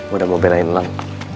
udah mau belain alang